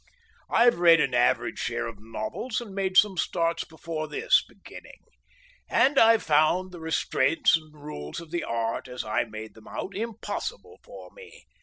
I've read an average share of novels and made some starts before this beginning, and I've found the restraints and rules of the art (as I made them out) impossible for me.